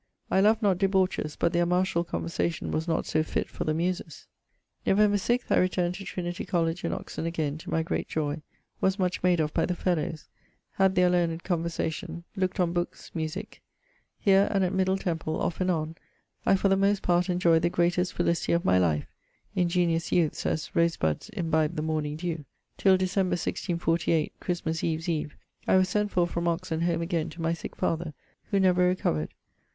I loved not debauches, but their martiall conversation was not so fitt for the muses. Novemb. 6, I returned to Trinity College in Oxon again to my great joy; was much made of by the fellowes; had their learned conversation, lookt on bookes, musique. Here and at Middle Temple (off and on) I (for the most part) enjoyd the greatest felicity of my life (ingeniose youths, as rosebudds, imbibe the morning dew) till Dec. 1648 (Christmas Eve's eve) I was sent for from Oxon home again to my sick father, who never recovered.